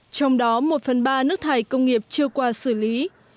trong đó một phần ba nước thải công nghiệp chưa qua xử lý